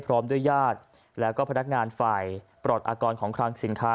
พร้อมด้วยญาติแล้วก็พนักงานฝ่ายปลอดอากรของคลังสินค้า